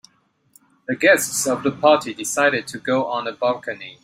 The guests of the party decided to go on the balcony.